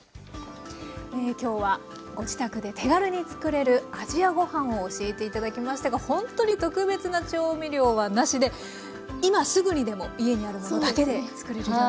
今日はご自宅で手軽に作れるアジアごはんを教えて頂きましたがほんっとに特別な調味料はなしで今すぐにでも家にあるものだけで作れる料理。